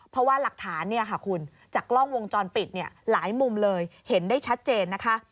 เพราะว่าหลักฐานจากกล้องวงจรปิดหลายมุมเลยเห็นได้ชัดเจน